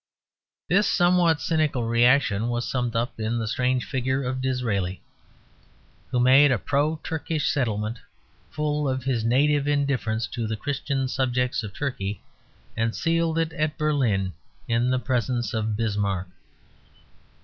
This somewhat cynical reaction was summed up in the strange figure of Disraeli, who made a pro Turkish settlement full of his native indifference to the Christian subjects of Turkey, and sealed it at Berlin in the presence of Bismarck.